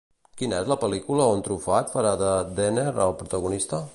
Quina és la pel·lícula on Truffat farà de Denner el protagonista?